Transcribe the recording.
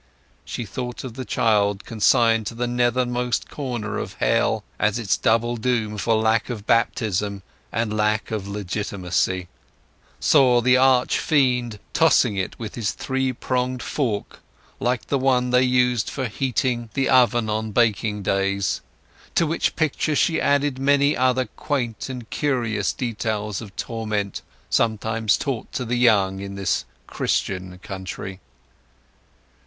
She thought of the child consigned to the nethermost corner of hell, as its double doom for lack of baptism and lack of legitimacy; saw the arch fiend tossing it with his three pronged fork, like the one they used for heating the oven on baking days; to which picture she added many other quaint and curious details of torment sometimes taught the young in this Christian country.